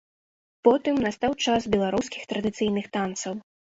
Потым настаў час беларускіх традыцыйных танцаў.